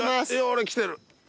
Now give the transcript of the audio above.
俺きてる！